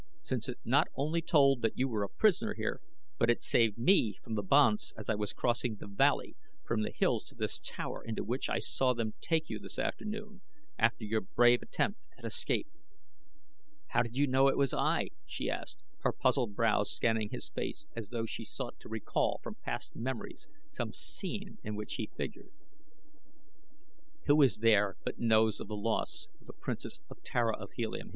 "Since it not only told that you were a prisoner here; but it saved me from the banths as I was crossing the valley from the hills to this tower into which I saw them take you this afternoon after your brave attempt at escape." "How did you know it was I?" she asked, her puzzled brows scanning his face as though she sought to recall from past memories some scene in which he figured. "Who is there but knows of the loss of the Princess Tara of Helium?"